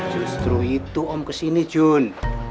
justru itu om kesini jun